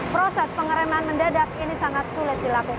proses pengereman mendadak ini sangat sulit dilakukan